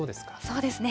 そうですね。